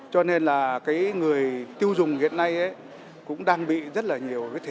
cho nên là người tiêu dùng hiện nay cũng đang bị rất là nhiều thiệt thỏi